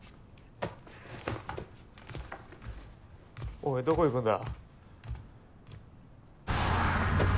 おいどこいくんだ。